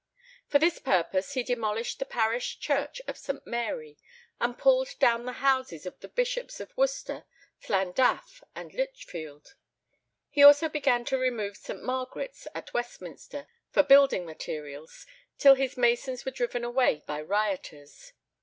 For this purpose he demolished the parish church of St. Mary, and pulled down the houses of the Bishops of Worcester, Llandaff, and Lichfield. He also began to remove St. Margaret's, at Westminster, for building materials, till his masons were driven away by rioters.